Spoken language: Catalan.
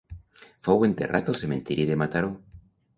Fou enterrat al cementiri de Mataró.